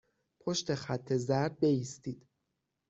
پشت خط زرد بایستید.